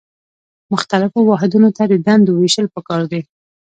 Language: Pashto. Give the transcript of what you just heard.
مختلفو واحدونو ته د دندو ویشل پکار دي.